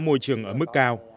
môi trường ở mức cao